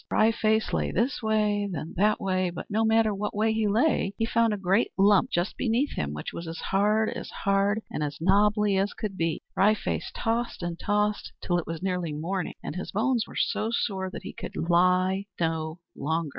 Wry Face lay this way, then that, but no matter what way he lay, he found a great lump just beneath him which was as hard as hard, and as nobbly as could be. Wry Face tossed and tossed till it was nearly morning; and his bones were so sore that he could lie no longer.